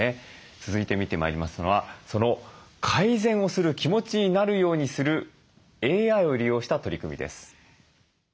続いて見てまいりますのは改善をする気持ちになるようにするＡＩを利用した取り組みです。